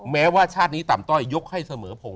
แม้ว่าชาตินี้ต่ำต้อยยกให้เสมอผม